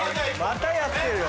またやってるよ